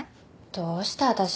どうして私が？